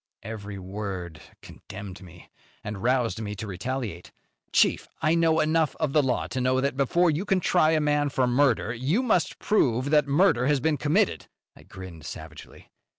Every word condemned me, and roused me to retaliate. "Chief, I know enough of the law to know that, before you can try a man for murder, you must prove that murder has been committed." I grinned savagely.